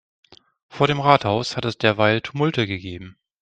Vor dem Rathaus hat es derweil Tumulte gegeben.